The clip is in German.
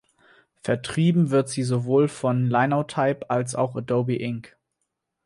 Vertrieben wird sie sowohl von Linotype als auch von Adobe Inc.